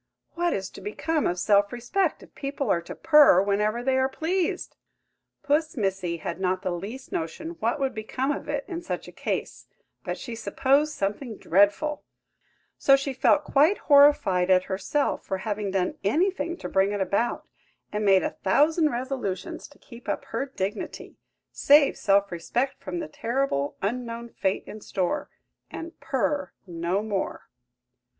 What is to become of self respect if people are to purr whenever they are pleased?" Puss Missy had not the least notion what would become of it in such a case, but she supposed something dreadful; so she felt quite horrified at herself for having done anything to bring it about, and made a thousand resolutions to keep up her dignity, save self respect from the terrible unknown fate in store, and purr no more.